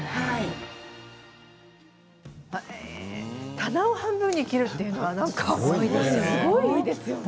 棚を半分に切るというのはすごいですよね。